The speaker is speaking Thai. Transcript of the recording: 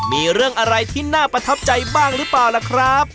มีเรื่องอะไรที่น่าประทับใจบ้างหรือเปล่าล่ะครับ